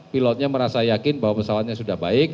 pilotnya merasa yakin bahwa pesawatnya sudah baik